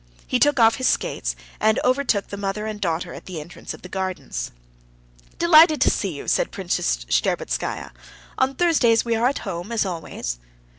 He took off his skates, and overtook the mother and daughter at the entrance of the gardens. "Delighted to see you," said Princess Shtcherbatskaya. "On Thursdays we are home, as always."